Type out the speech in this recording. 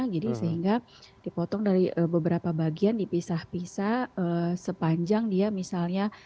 jadi sehingga dipotong dari beberapa bagian dipisah pisah sepanjang dia misalnya